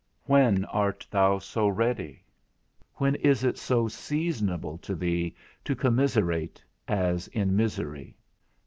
When art thou so ready, when is it so seasonable to thee, to commiserate, as in misery?